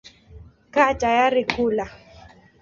Kaa tayari kula.